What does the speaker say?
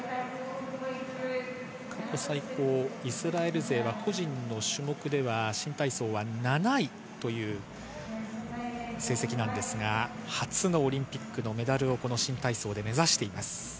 過去最高イスラエル勢は個人の種目では新体操は７位という成績なのですが初のオリンピックのメダルを新体操で目指しています。